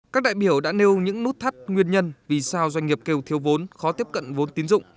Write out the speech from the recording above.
các đại biểu đã nêu những nút thắt nguyên nhân vì sao doanh nghiệp kêu thiếu vốn khó tiếp cận vốn tín dụng